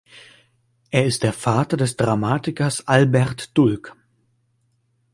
Er ist der Vater des Dramatikers Albert Dulk.